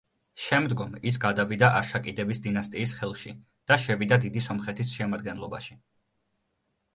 შემდგომ, ის გადავიდა არშაკიდების დინასტიის ხელში და შევიდა დიდი სომხეთის შემადგენლობაში.